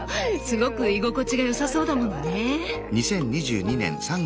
すごく居心地が良さそうだものね。